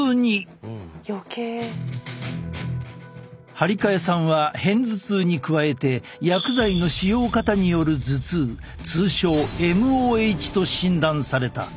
張替さんは片頭痛に加えて薬剤の使用過多による頭痛通称ＭＯＨと診断された。